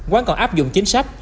quán còn áp dụng chính sách